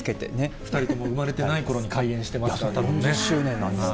２人とも生まれてないころに開園してますから、たぶんね。